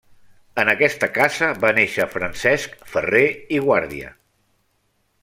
En aquesta casa va néixer Francesc Ferrer i Guàrdia.